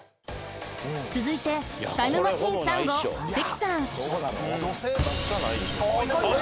続いてタイムマシーン３号関さんえ？